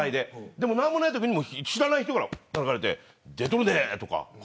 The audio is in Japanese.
でも、何もないときに知らない人からたたかれて出とるねとか。